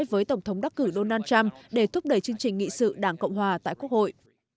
với tổng thống đắc cử donald trump để thúc đẩy chương trình nghị sự đảng cộng hòa tại quốc hội